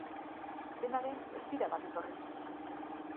Dena den, ez dira bat etorri.